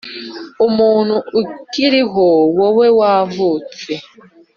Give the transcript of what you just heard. muntu ukiriho wowe wavutse